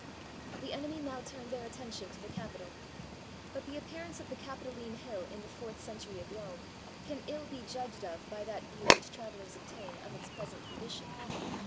The enemy now turned their attention to the Capitol. But the appearance of the CapitoHne Hill in the fourth century of Rome can ill be judged of by that view which travelers obtain of its present condition.